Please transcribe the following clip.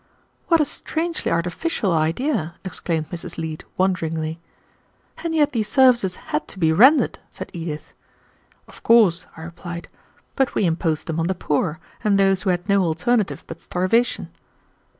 "What a strangely artificial idea," exclaimed Mrs. Leete wonderingly. "And yet these services had to be rendered," said Edith. "Of course," I replied. "But we imposed them on the poor, and those who had no alternative but starvation."